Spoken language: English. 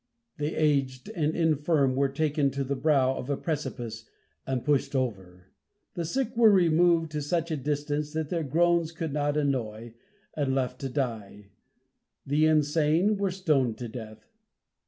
The aged and infirm were taken to the brow of a precipice and pushed over. The sick were removed to such a distance that their groans could not annoy, and left to die. The insane were stoned to death.